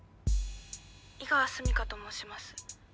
井川純夏と申します。